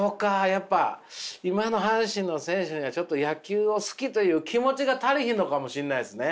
やっぱ今の阪神の選手にはちょっと野球を好きという気持ちが足りひんのかもしれないですね。